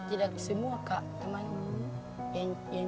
tidak semua kak teman